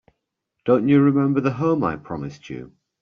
Don't you remember the home I promised you?